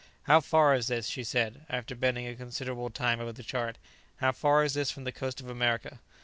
"How far is this," she said, after bending a considerable time over the chart; "how far is this from the coast of America?"